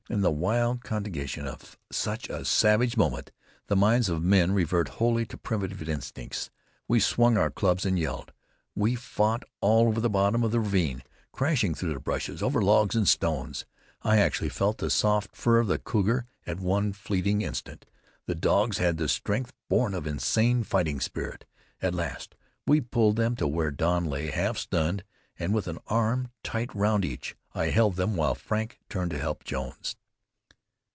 In the wild contagion of such a savage moment the minds of men revert wholly to primitive instincts. We swung our clubs and yelled; we fought all over the bottom of the ravine, crashing through the bushes, over logs and stones. I actually felt the soft fur of the cougar at one fleeting instant. The dogs had the strength born of insane fighting spirit. At last we pulled them to where Don lay, half stunned, and with an arm tight round each, I held them while Frank turned to help Jones.